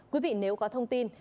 quý vị nếu có thông tin